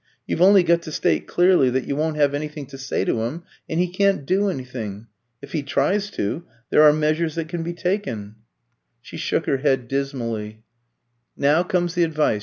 You've only got to state clearly that you won't have anything to say to him, and he can't do anything. If he tries to, there are measures that can be taken." She shook her head dismally. "Now comes the advice.